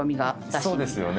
そうですよね